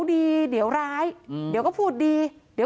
คุณปุ้ยอายุ๓๒นางความร้องไห้พูดคนเดี๋ยว